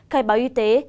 khai báo y tế